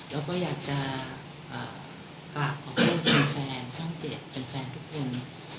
เราก็อยากจะกราบของเพื่อเป็นแฟนช่องเจ็ดเป็นแฟนทุกคน